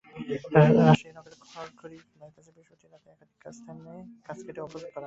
রাজশাহী নগরের খড়খড়ি বাইপাসের বৃহস্পতিবার রাতে একাধিক স্থানে গাছ কেটে অবরোধ করা হয়।